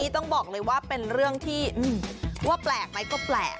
ต้องบอกเลยว่าเป็นเรื่องที่ว่าแปลกไหมก็แปลก